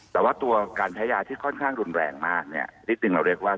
แต่ว่าตัวการใช้ยาที่ค่อนข้างรุนแรงมากเนี่ยนิดนึงเราเรียกว่า